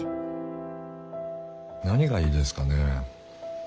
何がいいですかね？